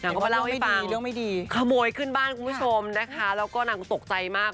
ก็มาเล่าให้ฟังขโมยขึ้นบ้านคุณผู้ชมนะคะแล้วก็นางตกใจมาก